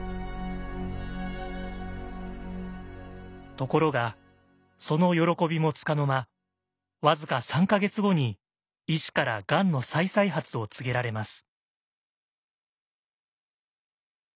ところがその喜びもつかの間僅か３か月後に医師からがんの再々発を告げられます。